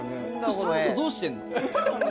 酸素どうしてんの？